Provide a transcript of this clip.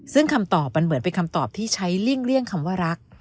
ซึ่งคำตอบมันเหมือนเป็นคำตอบที่ใช้เลี่ยงคำว่ารัก